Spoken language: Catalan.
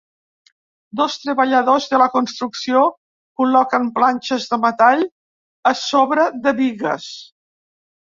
Dos treballadors de la construcció col·loquen planxes de metall a sobre de bigues.